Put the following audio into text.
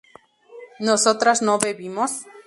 ¿nosotras no bebimos?